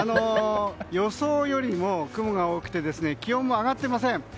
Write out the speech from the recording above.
予想よりも雲が多くて気温も上がっていません。